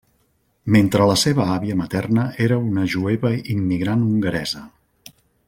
Mentre la seva àvia materna era una jueva immigrant hongaresa.